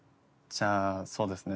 じゃあそうですね